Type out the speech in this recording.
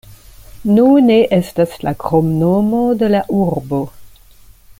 Nune estas la kromnomo de la urbo.